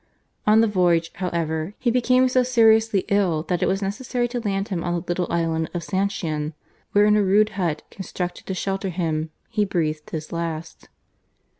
On the voyage, however, he became to seriously ill that it was necessary to land him on the little island of Sancian, where in a rude hut constructed to shelter him he breathed his last.